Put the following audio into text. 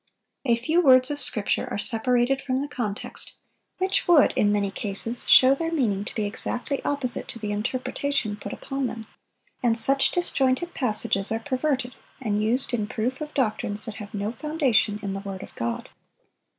A few words of Scripture are separated from the context, which would, in many cases, show their meaning to be exactly opposite to the interpretation put upon them; and such disjointed passages are perverted and used in proof of doctrines that have no foundation in the word of God.